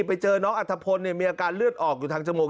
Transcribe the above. ไปเจอน้องอัธพลมีอาการเลือดออกอยู่ทางจมูก